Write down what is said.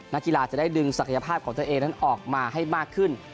นักกีฬาจะได้ดึงศักยภาพของตัวเองนั้นออกมาให้มากขึ้น